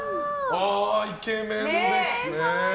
イケメンですね。